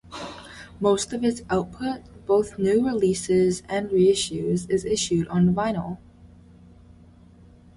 Most of its output, both new releases and reissues, is issued on vinyl.